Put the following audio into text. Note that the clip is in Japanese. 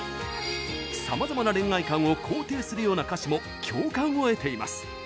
さまざまな恋愛観を肯定するような歌詞も共感を得ています。